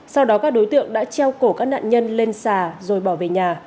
sau đó các đối tượng đã treo cổ các nạn nhân lên xà rồi bỏ về nhà